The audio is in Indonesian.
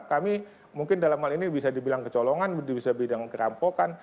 kami mungkin dalam hal ini bisa dibilang kecolongan bisa dibilang kerampokan